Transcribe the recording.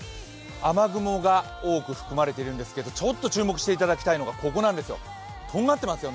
雨雲が多く含まれているんですけれどもちょっと注目していただきたいのがここ、とんがってるんですよ。